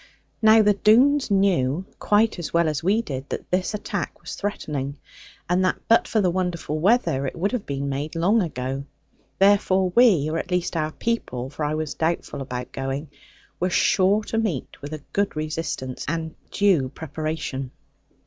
Now the Doones knew, quite as well as we did, that this attack was threatening; and that but for the wonderful weather it would have been made long ago. Therefore we, or at least our people (for I was doubtful about going), were sure to meet with a good resistance, and due preparation.